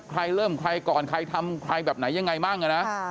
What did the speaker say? ใครเริ่มใครก่อนใครทำใครแบบไหนยังไงบ้างนะ